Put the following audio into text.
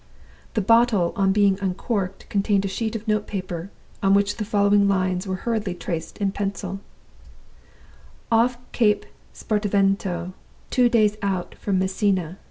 The bottle, on being uncorked, contained a sheet of note paper, on which the following lines were hurriedly traced in pencil: "Off Cape Spartivento; two days out from Messina.